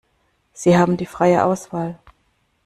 Sie haben freie Auswahl.